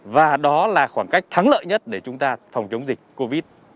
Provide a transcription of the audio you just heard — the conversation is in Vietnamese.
và đó là khoảng cách thắng lợi nhất để chúng ta phòng chống dịch covid